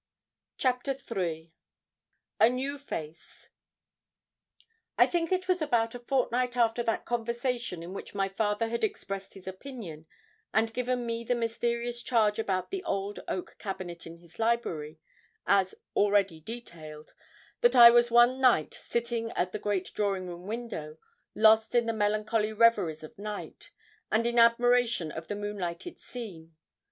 CHAPTER III A NEW FACE I think it was about a fortnight after that conversation in which my father had expressed his opinion, and given me the mysterious charge about the old oak cabinet in his library, as already detailed, that I was one night sitting at the great drawing room window, lost in the melancholy reveries of night, and in admiration of the moonlighted scene.